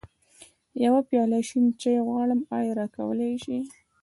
يوه پياله شين چای غواړم، ايا راکولی يې شې؟